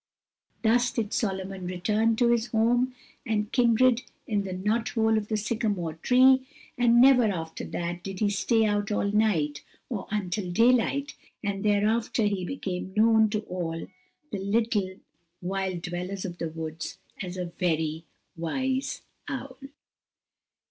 Thus did Solomon return to his home and kindred in the knot hole of the sycamore tree, and never after that did he stay out all night, or until daylight, and thereafter he became known to all the little wild dwellers of the woods as a very wise owl.